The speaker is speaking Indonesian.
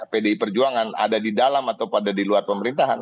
pdi perjuangan ada di dalam atau pada di luar pemerintahan